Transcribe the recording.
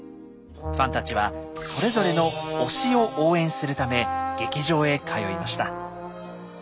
ファンたちはそれぞれの推しを応援するため劇場へ通いました。